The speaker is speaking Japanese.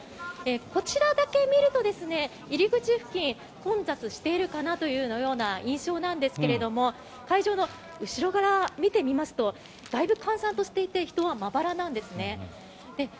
こちらだけ見ると、入り口付近混雑しているかなというような印象なんですが会場の後ろ側見てみますとだいぶ閑散としていて人はまばらなんですね。